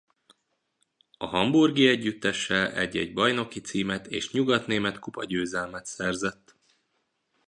A hamburgi együttessel egy-egy bajnoki címet és nyugatnémet kupa-győzelmet szerzett.